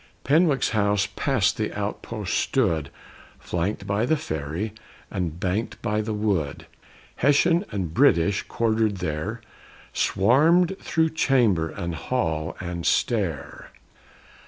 Penwick's house past the outpost stood, Flanked by the ferry and banked by the wood. Hessian and British quartered there Swarmed through chamber and hall and stair.